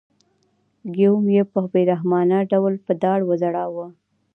ګیوم یې په بې رحمانه ډول په دار وځړاوه.